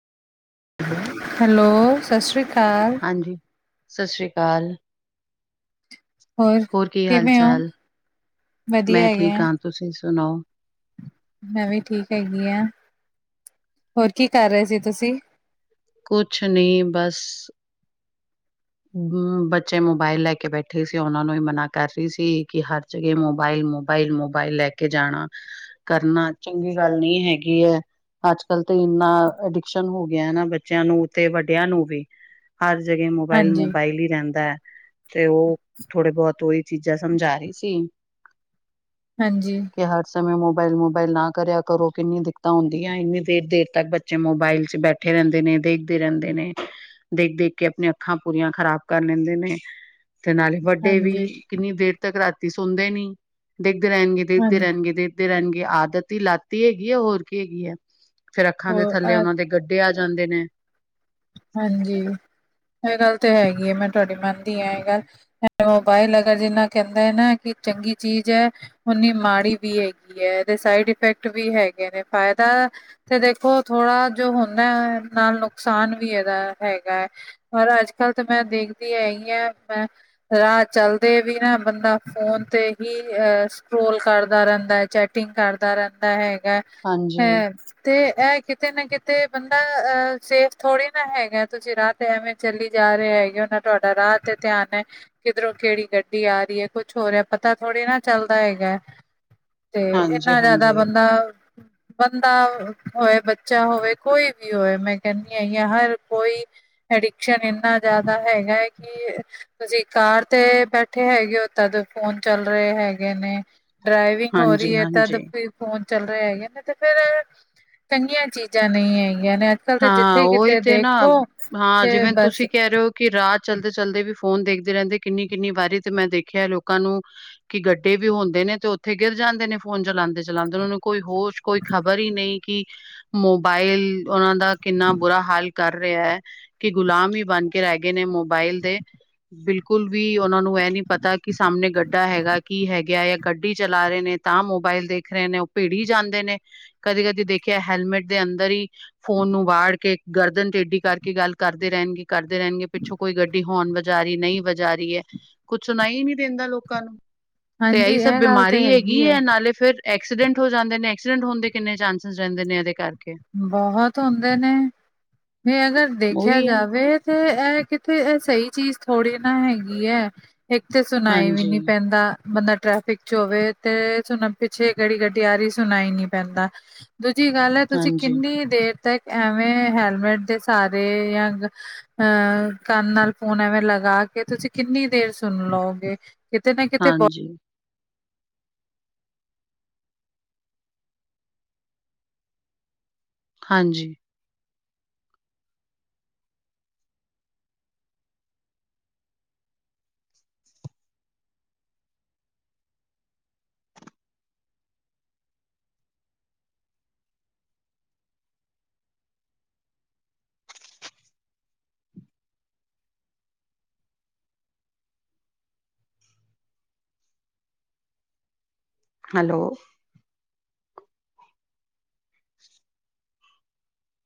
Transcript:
[unintelligible] Hello ਸਤਿ ਸ਼੍ਰੀ ਅਕਾਲ ਹਾਂਜੀ ਸਤਿ ਸ਼੍ਰੀ ਅਕਾਲ ਹੋਰ ਕੀ ਹਾਲ ਕਿਵੇਂ ਹੋ ਚਾਲ ਵਧੀਆ ਮੈਂ ਹੈਗੇ ਠੀਕ ਆ ਹਾਂ ਤੁਸੀਂ ਸੁਣਾਓ? ਮੈਂ ਵੀ ਠੀਕ ਹੈਗੀ ਹਾਂ ਹੋਰ, ਕੀ ਕਰ ਰਹੇ ਸੀ ਤੁਸੀਂ? ਕੁਛ ਨਹੀਂ ਬਸ ਹੂ, ਬੱਚੇ ਮੋਬਾਇਲ ਲੈ ਕੇ ਬੈਠੇ ਸੀ ਉਹਨਾਂ ਨੂੰ ਵੀ ਮਨਾ ਕਰ ਰਹੀ ਸੀ ਕਿ ਹਰ ਹਰ ਜਗੇ ਮੋਬਾਇਲ-ਮੋਬਾਈਲ-ਮੋਬਾਇਲ ਲੈ ਕੇ ਜਾਣਾ। ਕਰਨਾ ਚੰਗੀ ਗੱਲ ਨਹੀਂ ਹੈਗੀ ਹੈ। ਅੱਜ ਕੱਲ ਤੇ ਇੰਨਾ ਅਡਿਕਸ਼ਨ ਹੋ ਗਿਆ ਹਨ ਨਾ ਬੱਚਿਆਂ ਨੂੰ ਤੇ ਵੱਡਿਆਂ ਨੂੰ ਵੀ ਹਰ ਜਗੇ ਹਾਂਜੀ ਮੋਬਾਇਲ-ਮੋਬਾਇਲ ਹੀ ਰਹਿੰਦਾ ਹੈ ਤੇ ਉਹ ਥੋੜੇ ਬਹੁਤ ਉਹੀ ਚੀਜ਼ਾਂ ਸਮਝਾ ਰਹੀ ਸੀ। ਹਾਂਜੀ, ਹਰ ਸਮੇਂ ਮੋਬਾਇਲ, ਮੋਬਾਇਲ ਨਾ ਕਰਿਆ ਕਰੋ ਕਿੰਨੀ ਦਿੱਕਤਾਂ ਹੁੰਦੀਆਂ ਇੰਨੀ ਦੇਰ ਦੇਰ ਤੱਕ ਬੱਚੇ ਮੋਬਾਇਲ ਚ ਬੈਠੇ ਰਹਿੰਦੇ ਨੇ ਦੇਖਦੇ ਰਹਿੰਦੇ ਨੇ ਦੇਖ-ਦੇਖ ਕੇ ਆਪਣੇ ਅੱਖਾਂ ਪੂਰੀਆਂ ਖ਼ਰਾਬ ਕਰ ਲੈਂਦੇ ਨੇ ਤੇ ਨਾਲੇ ਵੱਡੇ ਵੀ ਹਾਂਜੀ ਕਿੰਨੀ ਦੇਰ ਤੱਕ ਰਾਤੀ ਸੌਦੇ ਨੀ ਦੇਖਦੇ ਰਹਿਣਗੇ ਦੇਖਦੇ ਹਾਂਜੀ ਰਹਿਣਗੇ ਦੇਖਦੇ। ਦੇ ਰਹਿਣਗੇ ਆਦਤ ਹੀ ਲਾਤੀ ਹੈਗੀ ਹੈ ਹੋਰ ਕੀ ਹੈਗੀ ਹੈ ਫਿਰ ਅੱਖਾਂ ਦੇ ਹੋ ਥੱਲੇ ਉਹਨਾਂ ਦੇ ਤੇ ਆ ਜਾਂਦੇ ਨੇ ਹਾਂਜੀ ਇਹ ਗੱਲ ਤਾਂ ਹੈਗੀ ਹੈ ਮੈਂ ਤੁਹਾਡੀ ਮੰਨਦੀ ਹਾਂ ਇਹ ਗੱਲ ਮੋਬਾਇਲ ਅਗਰ ਜਿੰਨਾ ਕਹਿੰਦਾ ਹੈ, ਨਾ ਕਿ ਚੰਗੀ ਚੀਜ਼ ਹੈ। ਉਨੀ ਮਾੜੀ ਵੀ ਹੈਗੀ ਹੈ ਇਹਦੇ ਸਾਈਡ ਇਫੈਕਟ ਵੀ ਹੈਗੇ ਨੇ ਫਾਇਦਾ। ਤੇ ਦੇਖੋ ਥੋੜਾ ਜੋ ਹੁੰਦਾ ਹੈ ਨਾਲ ਨੁਕਸਾਨ ਵੀ ਇਹਦਾ ਹੈਗਾ ਹੈ। ਪਰ ਅੱਜ ਕੱਲ ਤਾਂ ਮੈਂ ਦੇਖਦੀ ਹੈਗੀ ਹੈ ਮੈਂ ਰਾਹ ਚਲਦੇ ਵੀ ਨਾ ਬੰਦਾ ਫੋਨ ਤੇ ਹੀ ਸਕਟਰੋਲ ਕਰਦਾ ਰਹਿੰਦਾ ਹੈ ਚੈਟ ਚੈਟਿੰਗ ਕਰਦਾ ਰਹਿੰਦਾ ਹੈਗਾ। ਹਾਂਜੀ ਹੈ ਤੇ ਇਹ ਕਿਤੇ ਨਾ ਕਿਤੇ ਬੰਦਾ ਅਹ ਸੇਫ ਥੋੜੀ ਨਾ ਹੈਗੇ ਤੁਸੀਂ ਰਾਹ ਤੇ ਐਵੇਂ ਚੱਲੀ ਜਾ ਰਹੇ ਹੈਗੇ ਹੋ ਨਾ ਤੁਹਾਡਾ ਰਾਹ ਤੇ ਧਿਆਨ ਹੈ। ਕਿੱਧਰੋਂ ਕਿਹੜੀ ਗੱਡੀ ਆ ਰਹੀ ਹੈ ਕੁੱਛ ਹੋ ਰਿਹਾ ਪਤਾ ਥੋੜ੍ਹੇ ਨਾ ਚੱਲਦਾ ਹੈਗਾ ਹੈ। ਤੇ ਹਾਂਜੀ ਇੰਨਾ ਜ਼ਿਆਦਾ ਹਾਂਜੀ ਬੰਦਾ ਬੰਦਾ ਹੋਵੇ ਬੱਚਾ ਹੋਵੇ ਕੋਈ ਵੀ ਹੋਵੇ ਮੈਂ ਕਹਿੰ ਹਰ ਕੋਈ ਅਡਿਕਸ਼ਨ ਇੰਨਾ ਜ਼ਿਆਦਾ ਹੈਗਾ ਹੈ ਕਿ ਅਸੀਂ ਕਾਰ ਤੇ ਬੈਠੇ ਹੈਗੇ ਹੋ ਤਦ ਫੋਨ ਚੱਲ ਰਹੇ ਹੈਗੇ ਨੇ ਡਰਾਈਵਿੰਗ ਹੋ ਹਾਂਜੀ ਰਹੀ ਹੈ ਤਦ ਹਾਂਜੀ ਫਿਰ ਫੋਨ ਚੱਲ ਰਿਹਾ ਹੈਗੇ ਨੇ ਤੇ ਫਿਰ ਚੰਗੀਆਂ ਚੀਜ਼ਾਂ ਨਹੀਂ ਹੈਗੀਆਂ ਨੇ ਅੱਜ ਕੱਲ ਤਾਂ ਹਾਂ ਉਹੀ ਤੇ ਨਾ ਹਾਂ ਜਿਵੇਂ ਬਸ ਤੁਸੀਂ ਕਹਿ ਰਹੇ ਹੋ ਕਿ ਰਾਤ ਚਲਦੇ ਚਲਦੇ ਵੀ ਫੋਨ ਦੇਖਦੇ ਰਹਿੰਦੇ ਕਿੰਨੀ ਕਿੰਨੀ ਵਾਰੀ ਤੇ ਮੈਂ ਦੇਖਿਆ ਲੋਕਾਂ ਨੂੰ ਕਿ ਗੱਡੇ ਵੀ ਹੁੰਦੇ ਨੇ ਤੇ ਉੱਥੇ ਗਿਰ ਜਾਂਦੇ ਨੇ ਫੋਨ ਚਲਾਉਂਦੇ ਚਲਾਉਂਦੇ ਉਹਨਾਂ ਨੂੰ ਕੋਈ ਹੋਸ਼ ਕੋਈ ਖ਼ਬਰ ਹੀ ਨਹੀਂ ਕਿ ਮੋਬਾਇਲ ਉਹਨਾ ਦਾ ਕਿੰਨਾ ਬੁਰਾ ਹਾਲ ਕਰ ਰਿਹਾ ਹੈ। ਕਿ ਗੁਲਾਮ ਹੀ ਬਣ ਕੇ ਰਹਿ ਗਏ ਨੇ ਮੋਬਾਇਲ ਦੇ ਬਿਲਕੁਲ ਵੀ ਉਹਨਾਂ ਨੂੰ ਇਹ ਨੀ ਪਤਾ ਕਿ ਸਾਹਮਣੇ ਗੱਡਾ ਹੈਗਾ ਕੀ ਹੈਗਾ ਜਾਂ ਗੱਡੀ ਚਲਾ ਰਹੇ ਨੇ। ਤਾਂ ਮੋਬਾਇਲ ਦੇਖ ਰਹੇ ਨੇ ਉਹ ਭਿੜ ਹੀ ਜਾਂਦੇ ਨੇ ਕਦੀ ਕਦੀ ਦੇਖਿਆ ਹੈਲਮੇਟ ਦੇ ਅੰਦਰ ਹੀ। ਫੋਨ ਨੂੰ ਵਾੜ ਕੇ ਗਰਦਨ ਟੇਡੀ ਕਰਕੇ ਗੱਲ ਕਰਦੇ ਰਹਿਣਗੇ ਕਰਦੇ ਰਹਿਣਗੇ ਪਿੱਛੋਂ। ਕੋਈ ਗੱਡੀ ਹੋਰਨ ਵਜਾ ਰਹੀ ਨਹੀਂ ਵਜਾ ਰਹੀ ਹੈ ਕੁਛ ਸੁਣਾਈ ਨਹੀਂ ਦਿੰਦਾ ਲੋਕਾਂ ਨੂੰ। ਤੇ ਹਾਂਜੀ ਇਹੀ ਸਭ ਇਹ ਗੱਲ ਤੇ ਬਿਮਾਰੀ ਹੈਗੀ ਹੈ ਨਾਲੇ ਫਿਰ। ਐਕਸੀਡੈਂਟ ਹੋ ਜਾਂਦੇ ਨੇ ਐਕਸੀਡੈਂਟ ਹੋਣ ਦੇ ਕਿੰਨੇ ਚਾਂਸਿਸ ਰਹਿੰਦੇ ਨੇ ਇਹਦੇ ਕਰਕੇ। ਬਹੁਤ ਹੁੰਦੇ ਨੇ ਵੀ ਅਗਰ ਦੇਖਿਆ ਉਹੀ ਹੈ ਜਾਵੇ। ਤੇ ਇਹ ਕਿਥਇਹ ਸਹੀ ਚੀਜ਼ ਥੋੜੀ ਨਾ ਹੈਗੀ ਹੈ। ਇੱਕ ਤੇ ਸੁਣਾਈ ਵੀ ਹਾਂਜੀ ਨੀ ਪੈਂਦਾ, ਬੰਦਾ ਟ੍ਰੈਫਿਕ। ਹੋਵੇ ਤੇ ਸੁਣ ਪਿੱਛੇ ਕਹਿੜੀ ਗੱਡੀ ਆ ਰਹੀ ਐ ਸੁਣਾਈ ਹੀ ਨੀ ਪੈਂਦਾ ਦੂਜੀ ਗੱਲ ਹੈ ਤੁਸੀਂ। ਹਾਂਜੀ ਕਿੰਨੀ ਦੇਰ ਤੱਕ ਐਵੇਂ ਹੈਲਮੇਟ ਦੇ ਸਾਰੇ ਜਾਂ। ਅਹ ਕੰਨ ਨਾਲ ਫੋਨ ਐਵੇਂ ਲਗਾ ਕੇ, ਤੁਸੀਂ ਕਿੰਨੀ ਦੇਰ ਸੁਣ ਲਓਗੇ। ਕਿਤੇ ਨਾ ਕਿਤੇ ਬਹ। ਹਾਂਜੀ ਹਾਂਜੀ। ਹੈਲੋ